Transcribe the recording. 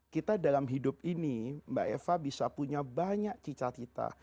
kita dalam hidup ini mbak eva bisa punya banyak cita cita